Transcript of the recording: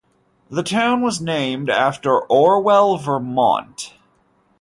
The town was named after Orwell, Vermont.